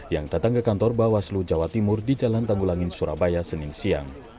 yang datang ke kantor bawaslu jawa timur di jalan tanggulangin surabaya senin siang